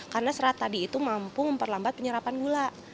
karena serat tadi itu mampu memperlambat penyerapan gula